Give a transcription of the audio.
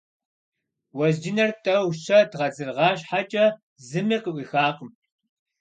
Уэзджынэр тӀэу-щэ дгъэдзыргъа щхьэкӀэ зыми къыӀуихакъым.